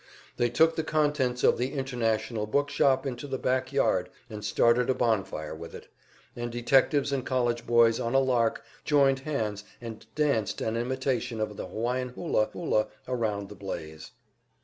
They took the contents of the "International Book Shop" into the back yard and started a bon fire with it, and detectives and college boys on a lark joined hands and danced an imitation of the Hawaiian hula hula around the blaze.